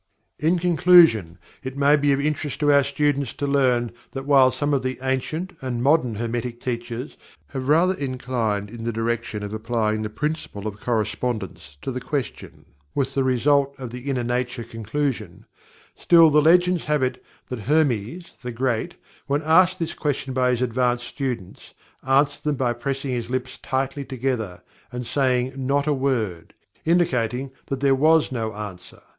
In conclusion, it may be of interest to our students to learn that while some of the ancient, and modern, Hermetic Teachers have rather inclined in the direction of applying the Principle of Correspondence to the question, with the result of the "Inner Nature" conclusion, still the legends have it that HERMES, the Great, when asked this question by his advanced students, answered them by PRESSING HIS LIPS TIGHTLY TOGETHER and saying not a word, indicating that there WAS NO ANSWER.